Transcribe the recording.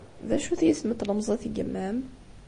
D acu-t yisem n tlemẓit n yemma-m?